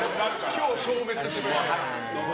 今日消滅しました。